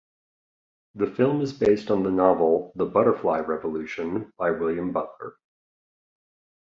The film is based on the novel "The Butterfly Revolution" by William Butler.